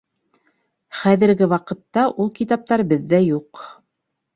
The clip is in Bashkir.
Хәҙерге ваҡытта ул китаптар беҙҙә юҡ